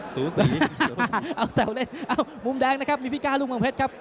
สูสีสูสีเอาแซวเล่นเอ้ามุมแดงนะครับมีพิก้าลูกมังเพชรครับ